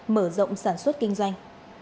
mở rộng sản xuất kinh doanh